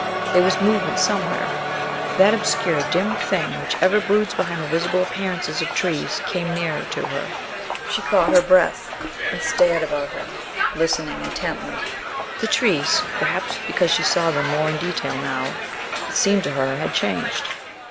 There was movement somewhere. That obscure dim thing which ever broods behind the visible appearances of trees came nearer to her. She caught her breath and stared about her, listening intently. The trees, perhaps because she saw them more in detail now, it seemed to her had changed.